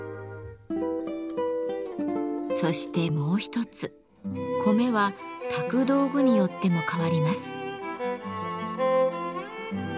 そしてもう一つ米は炊く道具によっても変わります。